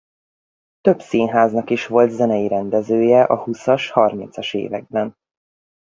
Több színháznak is volt zenei rendezője a húszas-harmincas években.